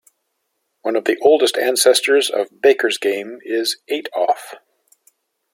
One of the oldest ancestors of Baker's Game is Eight Off.